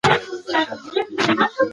چي د پرمختګ هیله لرئ.